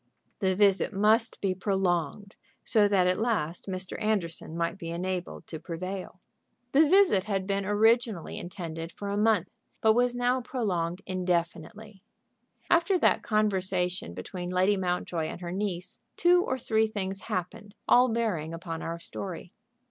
The visit must be prolonged so that at last Mr. Anderson might be enabled to prevail. The visit had been originally intended for a month, but was now prolonged indefinitely. After that conversation between Lady Mountjoy and her niece two or three things happened, all bearing upon our story.